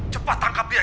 cepat tangkap dia